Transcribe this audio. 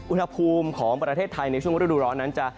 อุณหภูมิของประเทศไทยในช่วงฤดูร้อนนั้นจะ